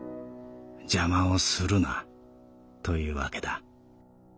邪魔をするなというわけだ。